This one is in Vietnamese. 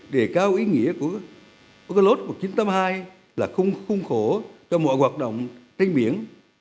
để cao ý nghĩa của úc lốt một nghìn chín trăm tám mươi hai là khung khổ cho mọi hoạt động tây biển